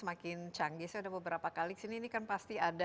semakin lama semakin canggih saya sudah beberapa kali di sini ini kan pasti ada